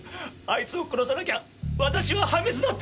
あいつを殺さなきゃ私は破滅だったんです！